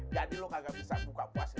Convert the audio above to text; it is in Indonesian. jadi lo gak bisa buka puasa